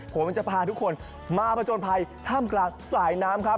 ผมจะพาทุกคนมาผจญภัยท่ามกลางสายน้ำครับ